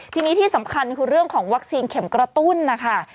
ทีนี้ที่สำคัญคือเรื่องของวัคซีนเข็มกระตุ้นนะคะ